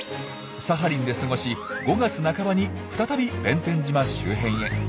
サハリンで過ごし５月半ばに再び弁天島周辺へ。